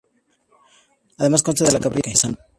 Además consta de la capilla de San Roque.